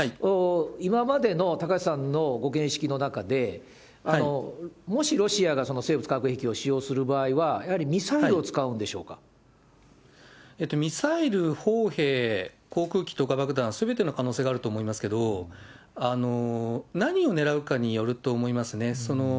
今までの高橋さんのご見識の中で、もしロシアが生物化学兵器を使用する場合は、やはりミサイルを使ミサイル、砲兵、航空機投下爆弾、すべての可能性があると思いますけど、何を狙うかによると思いますね。